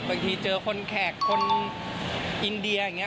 บางทีเจอคนแขกคนอินเดียอย่างนี้